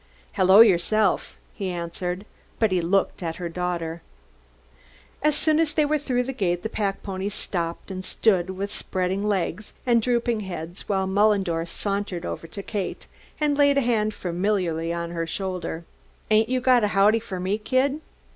"Hello yourself," he answered, but he looked at her daughter. As soon as they were through the gate the pack ponies stopped and stood with spreading legs and drooping heads while Mullendore sauntered over to Kate and laid a hand familiarly on her shoulder. "Ain't you got a howdy for me, kid?"